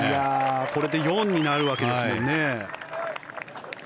これで４になるわけですもんね。